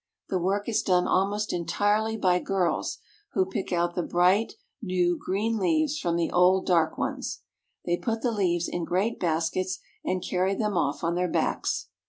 The work is done almost en tirely by girls, who pick out the bright, new, green leaves from the old, dark ones. They put the leaves in great baskets and carry them off on their backs.